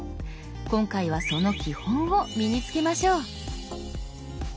今回はその基本を身に付けましょう。